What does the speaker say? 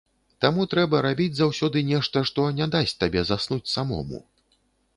Таму трэба рабіць заўсёды нешта, што не дасць табе заснуць самому.